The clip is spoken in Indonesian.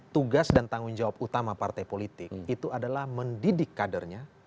tugas dan tanggung jawab utama partai politik itu adalah mendidik kadernya